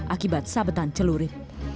akibat sabetan celurit